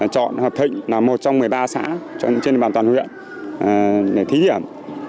chọn hợp thịnh là một trong một mươi ba xã trên bàn toàn huyện để thí điểm